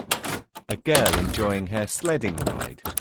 A girl enjoying her sledding ride